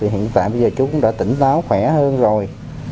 hiện tại bây giờ chúng cũng đã tỉnh táo khỏe hơn rồi